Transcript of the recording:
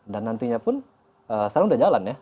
dan nantinya pun sekarang sudah jalan ya